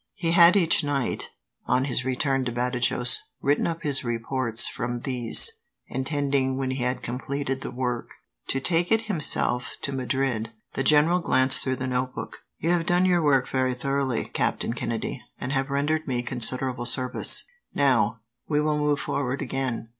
He had each night, on his return to Badajos, written up his reports from these, intending, when he had completed the work, to take it himself to Madrid. The general glanced through the notebook. "You have done your work very thoroughly, Captain Kennedy, and have rendered me considerable service. Now, we will move forward again.